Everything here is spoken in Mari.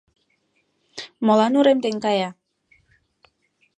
Молан урем дене кая?